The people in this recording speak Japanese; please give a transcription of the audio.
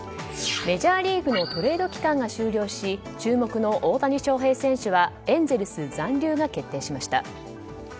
メジャーリーグのトレード期間が終了し注目の大谷翔平選手はエンゼルス残留が決定しました。